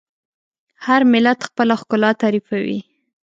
هر ملت خپله ښکلا تعریفوي.